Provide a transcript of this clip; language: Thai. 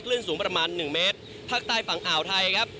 สูงประมาณหนึ่งเมตรภาคใต้ฝั่งอ่าวไทยครับ